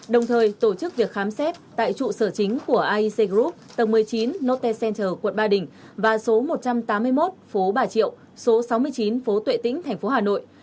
đồng thời tổ chức việc khám xét tại trụ sở chính của iec group tầng một mươi chín note center quận ba đình và số một trăm tám mươi một phố bà triệu số sáu mươi chín phố tuệ tĩnh thành phố hà nội